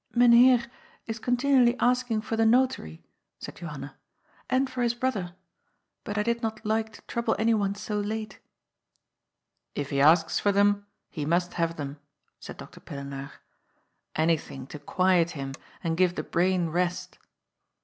'*• Mynheer is continually asking for the Notary," said Johanna. '^And for his brother. But I did not like to trouble anyone so late." «< If he asks for them, he must have them," said Doctor Pillenaar. '^ Anything to quiet him and give the brain rest."